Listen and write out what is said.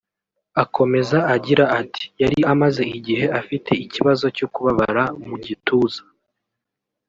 Akomeza agira ati “Yari amaze igihe afite ikibazo cyo kubabara mu gituza